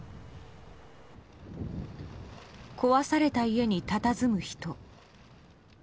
壊された家に、たたずむ人。